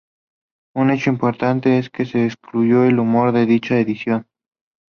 Un hecho importante es que se excluyó el humor de dicha edición.